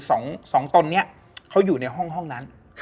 สองตนนี้เขาอยู่ในห้องนั้น